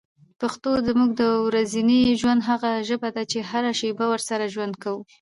پښتو زموږ د ورځني ژوند هغه ژبه ده چي هره شېبه ورسره ژوند کوو.